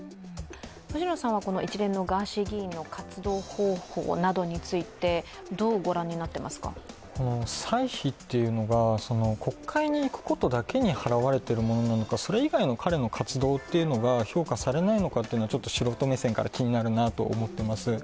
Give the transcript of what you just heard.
藤野さんは一連のガーシー議員の活動方法などについて、どうご覧になっていますか？歳費というのが国会に行くことだけに払われているものなのかそれ以外の彼の活動というのが評価されないのかというのはちょっと素人目線から気になるなと思っています。